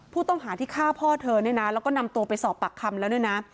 ผู้ต้องหาที่ฆ่าพ่อเธอเนี่ยนะแล้วก็นำตัวไปสอบปากคำแล้วเนี่ยนะ